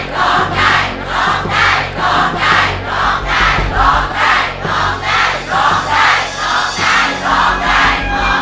ร้องได้ร้องได้ร้องได้